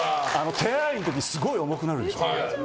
手洗いの時すごい重くなるでしょ？